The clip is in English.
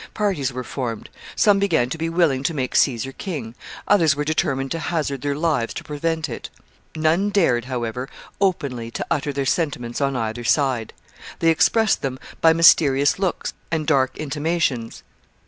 Parties were formed. Some began to be willing to make Caesar king; others were determined to hazard their lives to prevent it. None dared, however, openly to utter their sentiments on either side. They expressed them by mysterious looks and dark intimations.